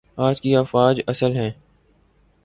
آج کی افواج اصل میں